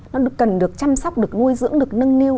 nó cần được chăm sóc được nuôi dưỡng được nâng niu